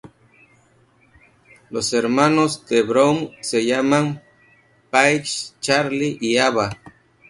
Los hermanos de Brown se llaman Paige, Charlie y Ava.